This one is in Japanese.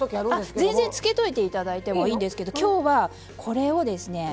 全然つけといて頂いてもいいんですけど今日はこれをですね